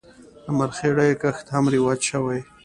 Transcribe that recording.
د مرخیړیو کښت هم رواج شوی.